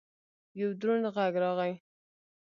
یو دروند غږ راغی!